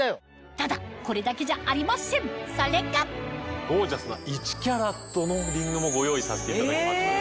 ただこれだけじゃありませんそれがゴージャスな。もご用意させていただきました。